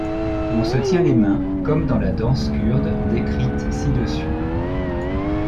On se tient les mains comme dans la danse kurde décrite ci-dessus.